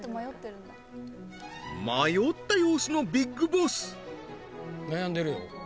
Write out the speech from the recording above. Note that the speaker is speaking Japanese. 迷った様子のビッグボス悩んでるよ